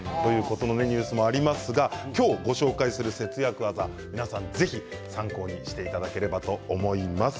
そんなニュースもありますが、今日ご紹介する節約技、ぜひ皆さん参考にしていただければと思います。